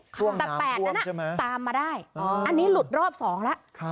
แต่๘นั้นตามมาได้อันนี้หลุดรอบ๒แล้ว